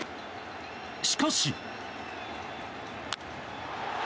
しかし。